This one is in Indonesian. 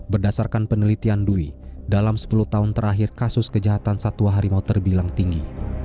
berdasarkan penelitian dwi dalam sepuluh tahun terakhir kasus kejahatan satwa harimau terbilang tinggi